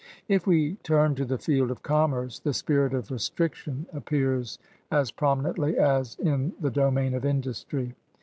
If we turn to the field of commerce, the spirit of restriction appears as prominently as in the domain of industry.